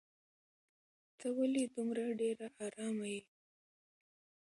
ته ولې دومره ډېره ارامه یې؟